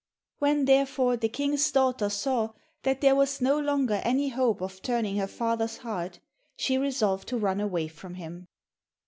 When, therefore, the King's daughter saw that there was no longer any hope of turning her father's heart, she resolved to run away from him.